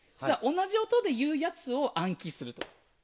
同じ音でいうやつを暗記すると。